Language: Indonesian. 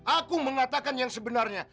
aku mengatakan yang sebenarnya